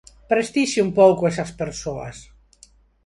¡Prestixie un pouco esas persoas!